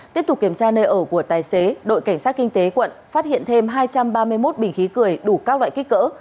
tiếp tục kiểm tra nơi ở của tài xế đội cảnh sát kinh tế quận phát hiện thêm hai trăm ba mươi một bình khí cười đủ các loại kích cỡ